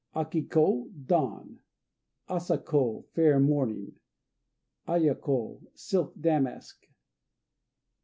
Aki ko "Dawn." Asa ko "Fair Morning." Aya ko "Silk Damask."